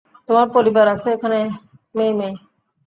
তোমার পরিবার আছে এখানে, মেই-মেই।